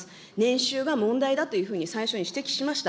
年収が問題だというふうに最初に指摘しました。